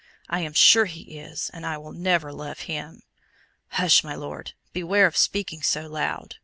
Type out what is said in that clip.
I am sure he is, and I will never love him." "Hush, my Lord! beware of speaking so loud.